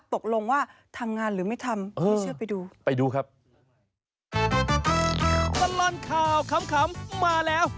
ตกลงว่าทำงานหรือไม่ทำ